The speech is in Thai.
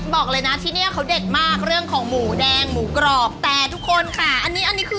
บอกเลยนะที่นี่เขาเด็ดมากเรื่องของหมูแดงหมูกรอบแต่ทุกคนค่ะอันนี้อันนี้คือ